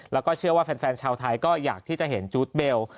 แล้วก็เชื่อว่าแฟนชาวไทยก็อยากที่จะเห็นจู๊ดเบล